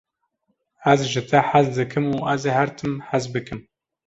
Ez ji te hez dikim û ez ê her tim hez bikim.